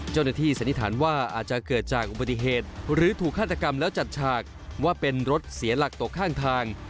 สันนิษฐานว่าอาจจะเกิดจากอุบัติเหตุหรือถูกฆาตกรรมแล้วจัดฉากว่าเป็นรถเสียหลักตกข้างทาง